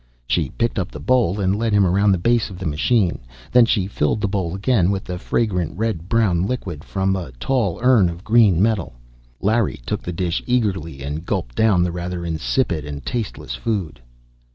She picked up the bowl and led him around the base of the machine; then she filled the bowl again with the fragrant, red brown liquid, from a tall urn of green metal. Larry took the dish eagerly and gulped down the rather insipid and tasteless food.